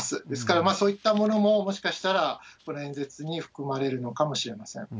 ですから、そういったものももしかしたらこの演説に含まれるのかもしれません。